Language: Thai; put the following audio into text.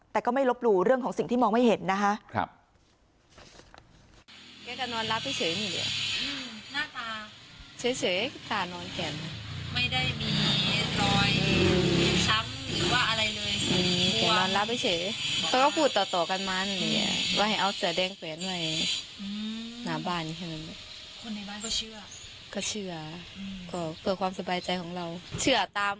แต่ก็ไม่ลบหลู่เรื่องของสิ่งที่มองไม่เห็นนะคะ